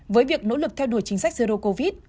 với việc nỗ lực theo đuổi chính sách zero covid